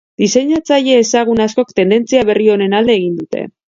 Diseinatzaile ezagun askok tendentzia berri honen alde egin dute.